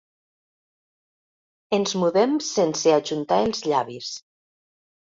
Ens mudem sense ajuntar els llavis.